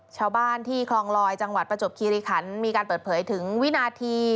ชาวบ้านที่คลองลอยจังหวัดประจวบคีริขันมีการเปิดเผยถึงวินาที